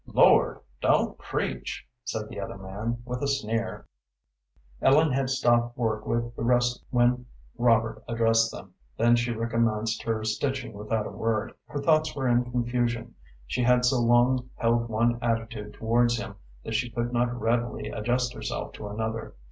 "Lord! don't preach," said the other man, with a sneer. Ellen had stopped work with the rest when Robert addressed them. Then she recommenced her stitching without a word. Her thoughts were in confusion. She had so long held one attitude towards him that she could not readily adjust herself to another.